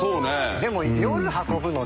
でも夜運ぶので。